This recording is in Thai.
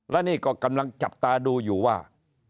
และนี่ก็กำลังจับตาดูอยู่ว่า